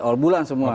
di awal bulan semua